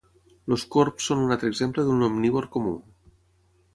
Els corbs són un altre exemple d'un omnívor comú.